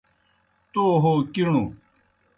تو ہو کِݨوْ